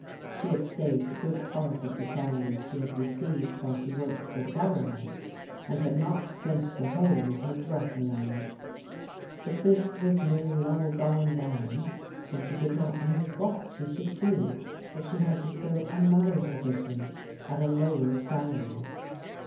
She had saved a good part of the salary she had received while she worked for the Government, and had not spent the whole of her dress allowance. But fliis was nearly all gone now, and she did not know what die should do if she had to fill another position at a lower salary.